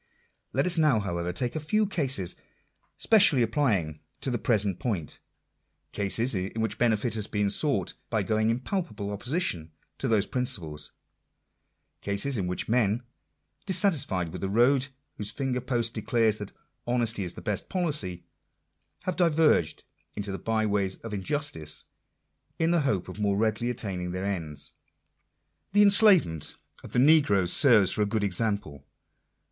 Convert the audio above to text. Let us now, however, take a few cases specially applying to the present point — cases in which benefit has been sought by going in palpable opposition to those principles — cases in which men, dissatisfied with the road whose finger post declares that " Honesty is the best policy," have diverged into the by ways of injustice, in the hope of more readily attaining their ends. The enslavement of the negroes serves for a good example.